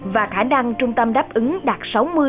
và khả năng trung tâm đáp ứng đạt sáu mươi bảy mươi